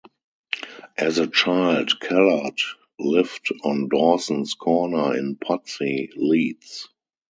As a child Callard lived on Dawsons Corner in Pudsey, Leeds.